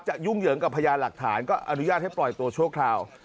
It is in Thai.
ยุ่งเหยิงกับพยานหลักฐานก็อนุญาตให้ปล่อยตัวชั่วคราว